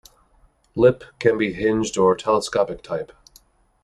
Lip can be hinged or telescopic type.